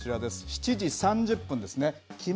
７時３０分ですね。